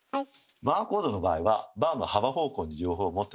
バーコードの場合はバーの幅方向に情報を持ってます。